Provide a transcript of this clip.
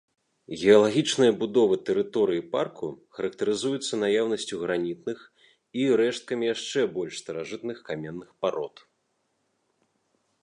Геалагічная будова тэрыторыі парку характарызуецца наяўнасцю гранітных і рэшткамі яшчэ больш старажытных каменных парод.